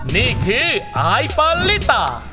นี่คืออายฟาลิตา